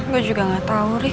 gue juga gak tau rik